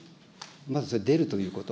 まず出るということ。